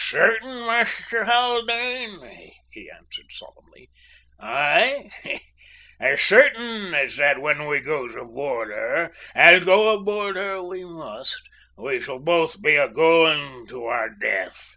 "As sartin, Master Haldane," he answered solemnly, "aye, as sartin as that when we goes aboard her, as go aboard her we must, we shall both be a goin' to our death!